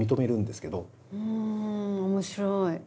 うん面白い。